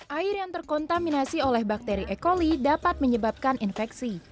air yang terkontaminasi oleh bakteri e coli dapat menyebabkan infeksi